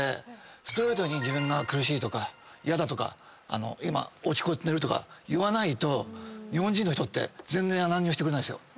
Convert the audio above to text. ストレートに自分が苦しいとか嫌だとか今落ち込んでるとか言わないと日本人の人って何にもしてくれないっすよ。